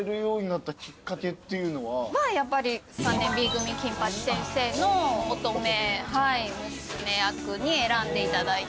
やっぱり『３年Ｂ組金八先生』の乙女娘役に選んでいただいて。